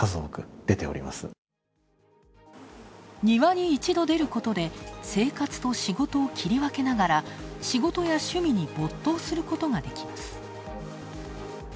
庭に一度出ることで生活と仕事を切り分けながら仕事や趣味に没頭することができます。